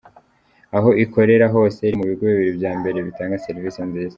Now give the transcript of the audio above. Aho ikorera hose iri mu bigo bibiri bya mbere bitanga serivisi nziza.